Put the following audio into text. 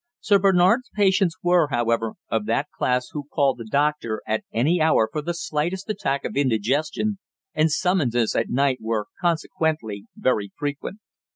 Sir Bernard's patients were, however, of that class who call the doctor at any hour for the slightest attack of indigestion, and summonses at night were consequently very frequent.